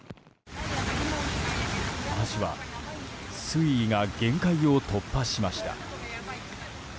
橋は水位が限界を突破しました。